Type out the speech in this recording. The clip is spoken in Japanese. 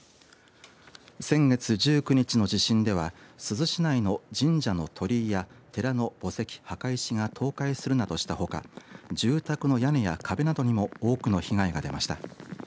先月１９日の地震では珠洲市内の神社の鳥居や寺の墓石が倒壊するなどしたほか住宅の屋根や住宅にも大きな被害が出ました。